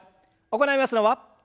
行いますのは。